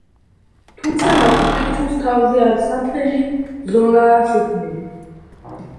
თუმცა, მაჩუ-პიქჩუს თავზე არასაფრენი ზონაა შექმნილი.